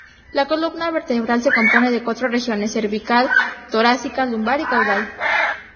La columna vertebral se compone de cuatro regiones: cervical, torácica, lumbar y caudal.